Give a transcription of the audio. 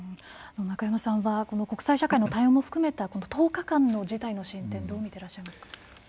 中山さんはこの国際社会の対応も含めた１０日間の事態の進展どう見てらっしゃいますか？